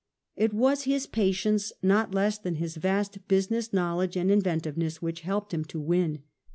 It was his patience, not less than his vast business knowledge and inventiveness, which helped him to win.